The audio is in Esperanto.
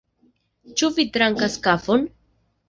Ĉu vi trinkas kafon?